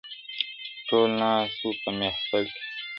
ټول ناست وو پۀ محفل کې